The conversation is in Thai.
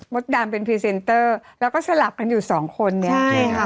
ดำเป็นพรีเซนเตอร์แล้วก็สลับกันอยู่สองคนเนี่ยใช่ค่ะ